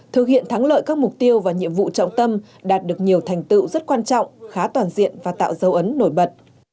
thực hiện thắng lợi các mục tiêu và nhiệm vụ trọng tâm đạt được nhiều thành tựu rất quan trọng khá toàn diện và tạo dấu ấn nổi bật